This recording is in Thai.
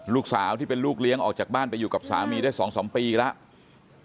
ลูกสาวที่เป็นลูกเลี้ยงออกจากบ้านไปอยู่กับสามีได้๒๓ปีแล้ว